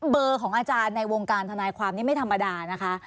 เบอร์ของอาจารย์ในวงการทนายความนี่ไม่ธรรมดานะคะ